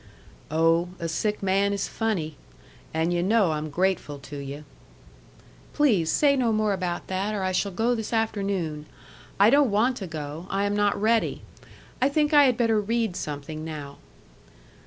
"Oh, a sick man is funny. And yu' know I'm grateful to you." "Please say no more about that, or I shall go this afternoon. I don't want to go. I am not ready. I think I had better read something now."